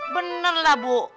bener lah bu